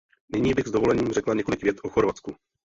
Nyní bych s dovolením řekla několik vět o Chorvatsku.